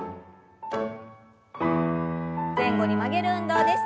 前後に曲げる運動です。